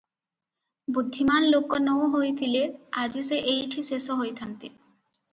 ବୁଦ୍ଧିମାନ୍ ଲୋକ ନହୋଇଥିଲେ ଆଜି ସେ ଏଇଠି ଶେଷ ହୋଇଥାନ୍ତେ ।